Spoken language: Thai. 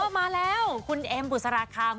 เอ้ามาแล้วคุณเอ็มบุษราคาม